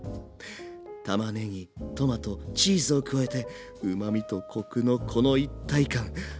たまねぎトマトチーズを加えてうまみとコクのこの一体感。